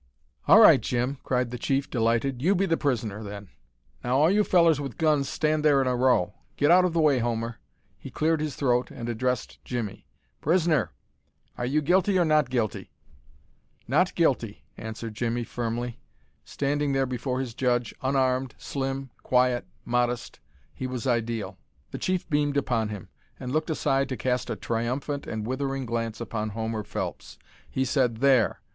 "All right, Jim," cried the chief, delighted; "you be the prisoner, then. Now all you fellers with guns stand there in a row! Get out of the way, Homer!" He cleared his throat, and addressed Jimmie. "Prisoner, are you guilty or not guilty?" "Not guilty," answered Jimmie, firmly. Standing there before his judge unarmed, slim, quiet, modest he was ideal. The chief beamed upon him, and looked aside to cast a triumphant and withering glance upon Homer Phelps. He said: "There!